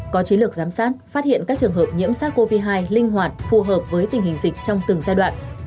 có chiến lược giám sát phát hiện các trường hợp nhiễm sars cov hai linh hoạt phù hợp với tình hình dịch trong từng giai đoạn